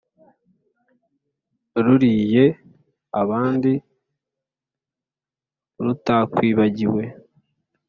Ruliye abandi rutakwibagiwe.